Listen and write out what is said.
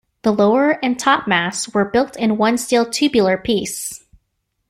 The lower and topmast were built in one steel tubular piece.